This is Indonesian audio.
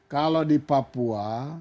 kalau di papua